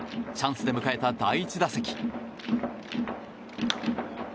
チャンスで迎えた第１打席。